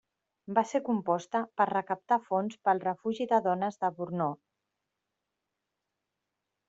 Va ser composta per recaptar fons per al refugi de dones de Brno.